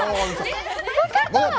分かった！